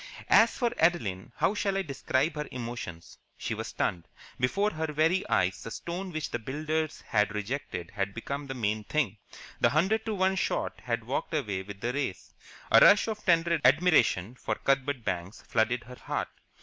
As for Adeline, how shall I describe her emotions? She was stunned. Before her very eyes the stone which the builders had rejected had become the main thing, the hundred to one shot had walked away with the race. A rush of tender admiration for Cuthbert Banks flooded her heart.